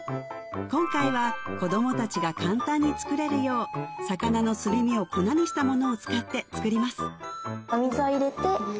今回は子供達が簡単に作れるよう魚のすり身を粉にしたものを使って作ります